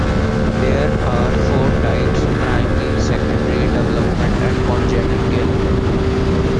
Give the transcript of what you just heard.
There are four types: primary, secondary, developmental, and congenital.